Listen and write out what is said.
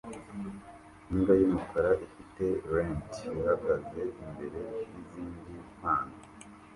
Imbwa yumukara ifite lente ihagaze imbere yizindi mpano